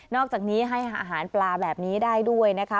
อกจากนี้ให้อาหารปลาแบบนี้ได้ด้วยนะคะ